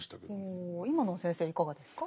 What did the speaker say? おお今のは先生いかがですか？